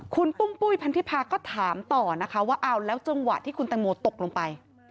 คุณปุ้งปุ้ยพันธิพาก็ถามต่อนะคะว่าเอาแล้วจังหวะที่คุณตังโมตกลงไป